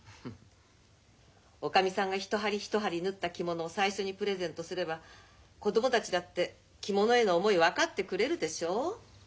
おかみさんが一針一針縫った着物を最初にプレゼントすれば子供たちだって着物への思いを分かってくれるでしょ。